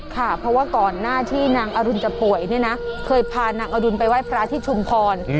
ค่ะเพราะว่าก่อนหน้าที่นางอรุณจะป่วยเนี่ยนะเคยพานางอดุลไปไหว้พระที่ชุมพร